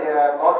để tổ chức học tốt